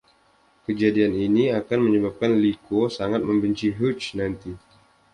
Kejadian ini akan menyebabkan Li Kuo sangat membenci Huige nanti.